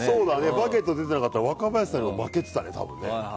「バゲット」出てなかったら若林さんに負けてたね。